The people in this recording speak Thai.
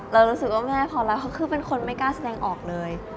เรารู้สึกว่าแม่พอแล้วเขาคือเป็นคนไม่กล้าแสดงออกเลย